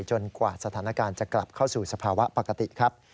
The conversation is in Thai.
กว่าสถานการณ์จะกลับเข้าสู่สภาวะปกติครับ